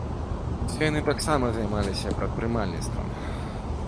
Усе яны таксама займаліся прадпрымальніцтвам.